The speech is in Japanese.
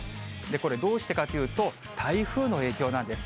これ、どうしてかというと、台風の影響なんです。